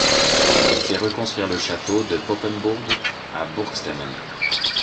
Il fait reconstruire le château de Poppenburg à Burgstemmen.